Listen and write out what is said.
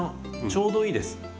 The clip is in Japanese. ちょうどいいです。